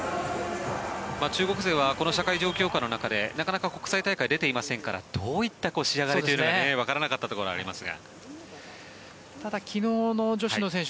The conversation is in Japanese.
中国勢はこの社会状況化の中でなかなか国際大会出ていませんからどういった仕上がりかというのがわからなかったところがありましたが。